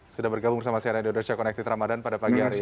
sudah bergabung bersama saya nedy odersya connected ramadan pada pagi hari ini